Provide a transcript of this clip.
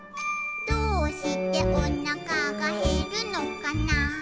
「どうしておなかがへるのかな」